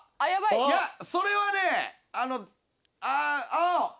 いやそれはねあの。